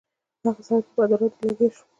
هغه سړی په بدو ردو لګیا شو.